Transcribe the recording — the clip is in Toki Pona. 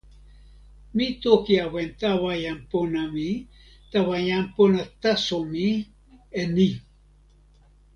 mi toki awen tawa jan pona mi, tawa jan pona taso mi, e ni: